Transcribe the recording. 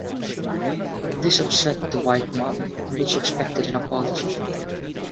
This upset the white mob, which expected an apology.